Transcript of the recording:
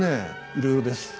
いろいろです。